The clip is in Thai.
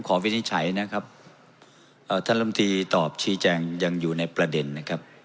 วินิจฉัยนะครับท่านลำตีตอบชี้แจงยังอยู่ในประเด็นนะครับ